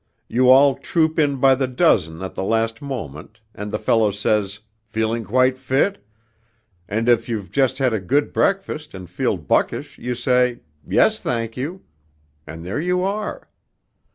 You all troop in by the dozen at the last moment ... and the fellow says, "Feeling quite fit?..." And if you've just had a good breakfast and feel buckish, you say, "Yes, thank you," and there you are....